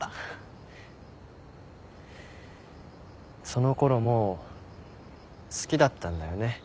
そのころもう好きだったんだよね